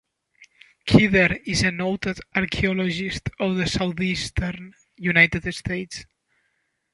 Kidder is a noted archaeologist of the southeastern United States.